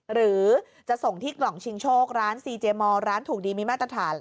หรือจะส่งที่กล่องชิงโชคร้านซีเจมอร์ร้านถูกดีมีมาตรฐาน